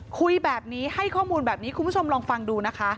คุยแบบนี้ให้ข้อมูลแบบนี้คุณผู้ชมลองฟังดูนะคะ